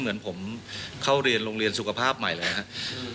เหมือนผมเข้าเรียนโรงเรียนสุขภาพใหม่เลยครับ